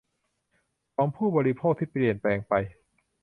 ของผู้บริโภคที่เปลี่ยนแปลงไป